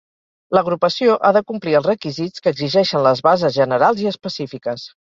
L'agrupació ha de complir els requisits que exigeixen les bases generals i específiques.